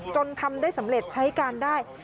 ทำได้สำเร็จใช้การได้